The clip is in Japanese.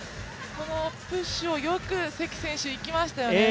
このプッシュをよく関選手、いきましたよね。